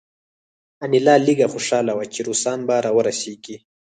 انیلا لږه خوشحاله وه چې روسان به راورسیږي